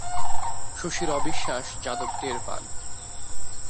শশীর অবিশ্বাস যাদব টের পান।